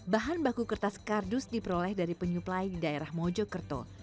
bahan baku kertas kardus diperoleh dari penyuplai di daerah mojokerto